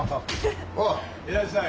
いらっしゃい。